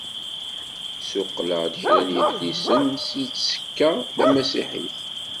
Ssuqqleɣ-d kra n yidlisen si tsekla tamasiḥit.